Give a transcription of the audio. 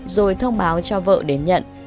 rồi thông báo cho vợ đến nhận